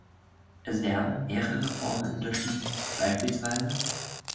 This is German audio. Es werden mehrere Formen unterschieden, beispielsweise